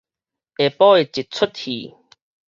下晡的一齣戲